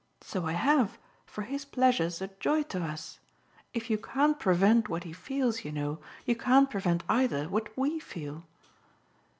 So I have, for his pleasure's a joy to us. If you can't prevent what he feels, you know, you can't prevent either what WE feel."